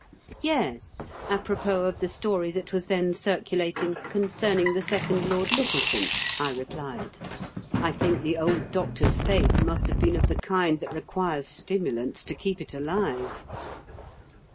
" Yes, d propos of the story that was then , circulating concerning the second Lord Lyttel ton,'' I replied. "I think the old Doctor's faith must have been of the kind that requires stimulants to keep it alive.''